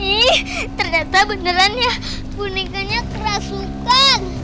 ih ternyata beneran ya bonekanya keras suka